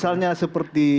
tapi kalau misalnya seperti